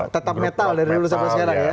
tetap metal dari dulu sampai sekarang ya